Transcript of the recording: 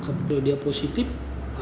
setelah dia positif maka